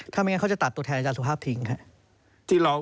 ถ้าไม่งั้นเขาจะตัดตัวแทนอาจารย์สุภาพทิ้งครับ